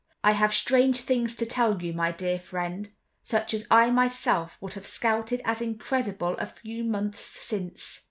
I have strange things to tell you, my dear friend, such as I myself would have scouted as incredible a few months since."